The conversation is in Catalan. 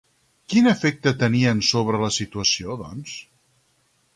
Quin efecte tenien sobre la situació, doncs?